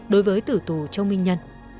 đối với tử tù châu minh nhân